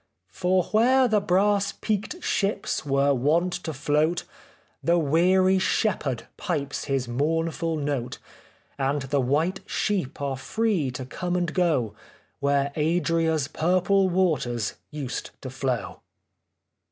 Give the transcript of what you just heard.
For where the brass peaked ships were wont to float, The weary shepherd pipes his mournful note ; And the white sheep are free to come and go Where Adria's purple waters used to flow."